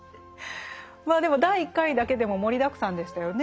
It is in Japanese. まあでも第１回だけでも盛りだくさんでしたよね。